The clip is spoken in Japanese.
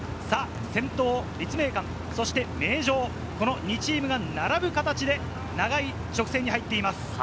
先頭、立命館、そして名城、この２チームが並ぶ形で長い直線に入っています。